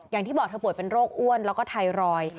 อย่างที่บอกเธอป่วยเป็นโรคอ้วนแล้วก็ไทรอยด์